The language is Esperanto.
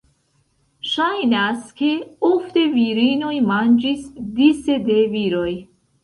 Ŝajnas, ke ofte virinoj manĝis dise de viroj.